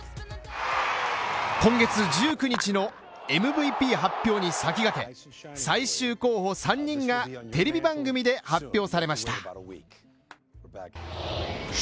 今月１９日のＭＶＰ発表に先駆け、最終候補３人がテレビ番組で発表されました